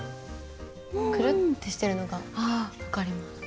くるってしてるのが分かります。